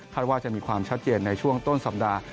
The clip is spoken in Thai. ว่าจะมีความชัดเจนในช่วงต้นสัปดาห์